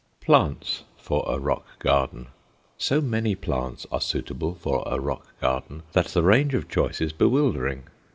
PLANTS FOR A ROCK GARDEN So many plants are suitable for a rock garden that the range of choice is bewildering.